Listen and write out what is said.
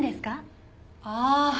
ああ。